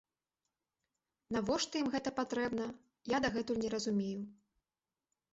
Навошта ім гэта патрэбна, я дагэтуль не разумею.